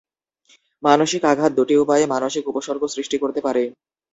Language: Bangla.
মানসিক আঘাত দুটি উপায়ে মানসিক উপসর্গ সৃষ্টি করতে পারে।